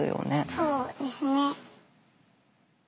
そうですね。